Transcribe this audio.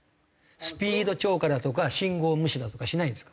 スピード超過だとか信号無視だとかしないんですか？